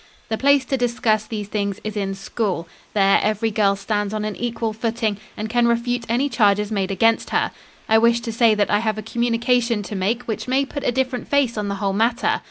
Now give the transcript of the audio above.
"The place to discuss these things is in school. There every girl stands on an equal footing and can refute any charges made against her. I wish to say that I have a communication to make which may put a different face on the whole matter.